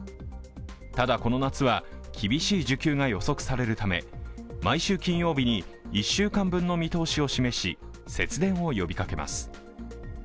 ただ、この夏は厳しい需給が予測されるため、毎週金曜日に１週間分の見通しを公表し節電を呼びかけます。